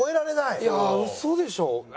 いやあ嘘でしょ？